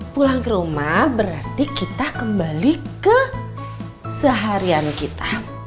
pulang ke rumah berarti kita kembali ke seharian kita